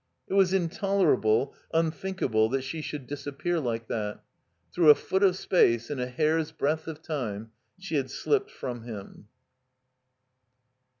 It was intolerable, unthinkable, that she should disappear like that. Through a foot of space, in a hair's breadth of time, she had slipped from him.